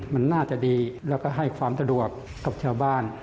มันน่าจะดีแล้วก็ให้ความสะดวกกับชาวบ้าน